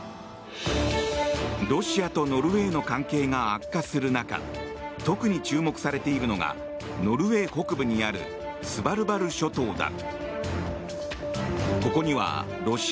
ロシアとノルウェーの関係が悪化する中特に注目されているのがノルウェー北部にあるスバルバル諸島だ。